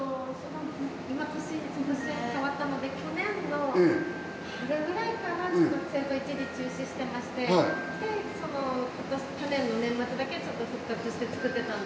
今年変わったので去年の春ぐらいから製造一時中止してまして去年の年末だけ復活して作ってたんです。